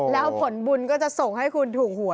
แล้วผลบุญก็จะส่งให้คุณถูกหัว